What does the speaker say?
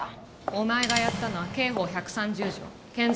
お前がやったのは刑法１３０条建造物侵入罪。